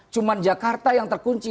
cuma jakarta yang terkunci